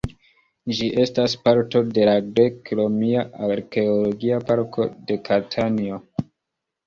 Ĝi estas parto de la Grek-Romia Arkeologia Parko de Katanio.